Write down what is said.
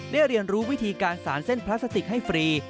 เรียนรู้วิธีการสารเส้นพลาสติกให้ฟรี